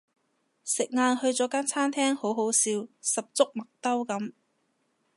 食晏去咗間餐廳好好笑十足麥兜噉